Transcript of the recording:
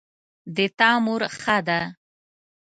د تا مور ښه ده